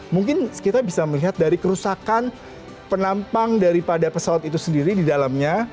mungkin kita bisa melihat dari kerusakan penampang daripada pesawat itu sendiri di dalamnya